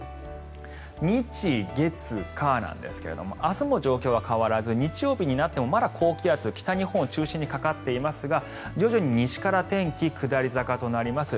日月火なんですが明日も状況は変わらず日曜になってもまだ高気圧北日本を中心にかかっていますが徐々に西から天気、下り坂となります。